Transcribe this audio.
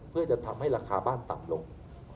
เพื่อจะทำให้ราคาบ้านต่ำลง